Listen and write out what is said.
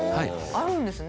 あるんですね。